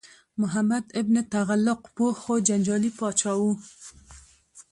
محمد بن تغلق پوه خو جنجالي پاچا و.